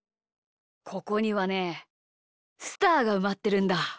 ここにはねスターがうまってるんだ。